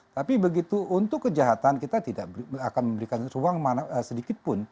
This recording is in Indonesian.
tapi begitu untuk kejahatan kita tidak akan memberikan ruang sedikit pun